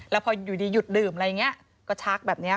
แล้วพออยู่ดีหยุดดื่มอะไรอย่างนี้ก็ชักแบบนี้ค่ะ